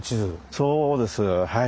そうですはい。